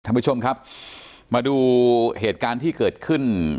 ท่านผู้ชมครับมาดูเหตุการณ์ที่เกิดขึ้น